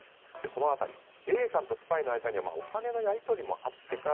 この辺りＡさんとスパイの間にはお金のやり取りもあってか